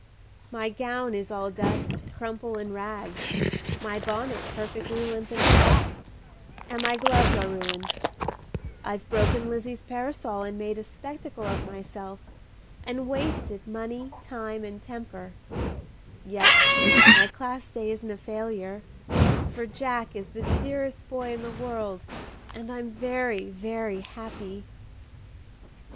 "My gown is all dust, crumple, and rags, my bonnet perfectly limp and flat, and my gloves are ruined; I've broken Lizzie's parasol, made a spectacle of myself, and wasted money, time, and temper; yet my Class Day isn't a failure, for Jack is the dearest boy in the world, and I'm very, very happy!"